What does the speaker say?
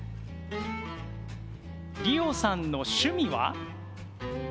理央さんの趣味は？